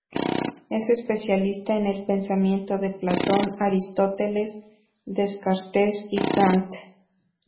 Es especialista en el pensamiento de Platón, Aristóteles, Descartes y Kant.